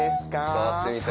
触ってみたい。